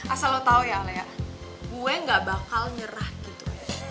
asal lo tau ya allea gue gak bakal nyerah gitu